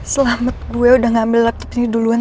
selamat gue udah ngambil laptop ini duluan